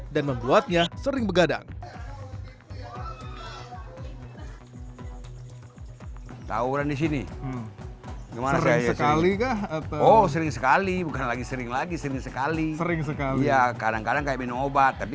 dan membuatnya sering sering dikawal oleh kawasan rakyat ini